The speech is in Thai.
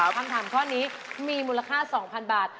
คำถามข้อนี้มีมูลค่า๒๐๐๐บาท